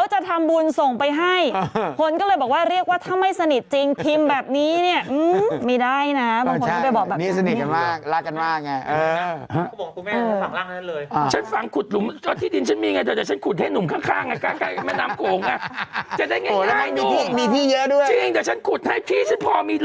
หนุ่มได้ฉันฝังร่างให้ฉันขุดหนุ่มข้างไว้ให้หนุ่ม